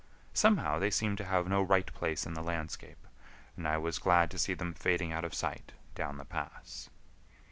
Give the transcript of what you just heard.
Somehow they seemed to have no right place in the landscape, and I was glad to see them fading out of sight down the pass.